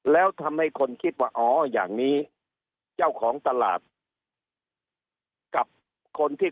แล้วทำให้คนคิดว่าอ๋ออย่างนี้เจ้าของตลาดกับคนที่